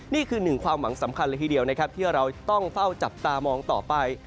นี่คือ๑ความหวังสำคัญทีเดียวที่เราต้องเฝ้าจับตามองต่อไป